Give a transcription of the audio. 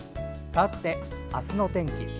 かわって、あすの天気。